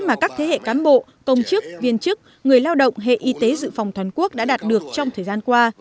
mà các thế hệ cán bộ công chức viên chức người lao động hệ y tế dự phòng toàn quốc đã đạt được trong thời gian qua